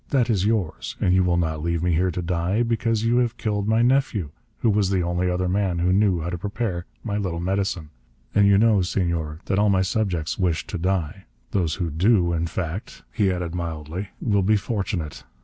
That is yours. And you will not leave me here to die, because you have killed my nephew, who was the only other man who knew how to prepare my little medicine. And you know, Senor, that all my subjects will wish to die. Those who do, in fact," he added mildly, "will be fortunate.